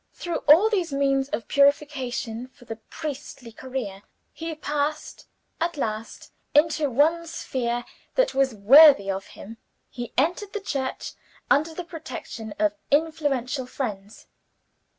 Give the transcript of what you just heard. Through all these means of purification for the priestly career, he passed at last into the one sphere that was worthy of him: he entered the Church, under the protection of influential friends.